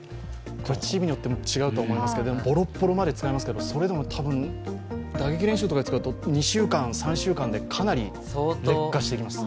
チームによっても違うと思いますが、ボロボロになるまで使いますけどそれでもたぶん、打撃練習とかで使うと２週間、３週間でかなり劣化してきます。